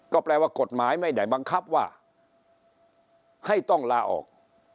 ก็แปลว่ากฎหมายไม่ได้บังคับว่าให้ต้องลาออก